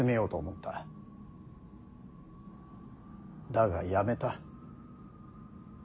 だがやめた。